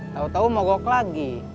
tau tau mogok lagi